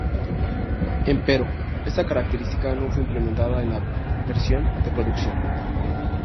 Empero, esta característica no fue implementada en la versión de producción.